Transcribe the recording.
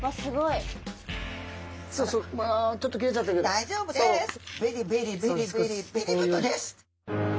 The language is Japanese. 大丈夫です！